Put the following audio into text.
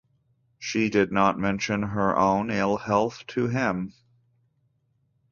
She did not mention her own ill-health to him.